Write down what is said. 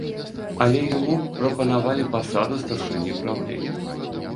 Але яму прапанавалі пасаду старшыні праўлення.